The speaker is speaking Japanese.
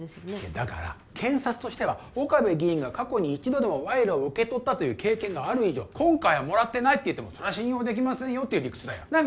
だから検察としては岡部議員が過去に一度でも賄賂を受け取ったという経験がある以上今回はもらってないと言ってもそれは信用できませんよっていう理屈だよなあ？